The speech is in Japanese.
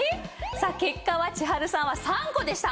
さあ結果は千春さんは３個でした。